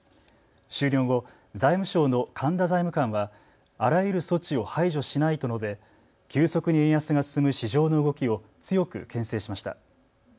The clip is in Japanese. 終了後、財務省の神田財務官はあらゆる措置を排除しないと述べ急速に円安が進む市場の動きを強くけん制しました。